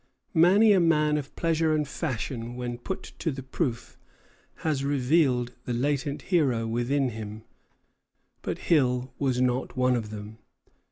Many a man of pleasure and fashion, when put to the proof, has revealed the latent hero within him; but Hill was not one of them.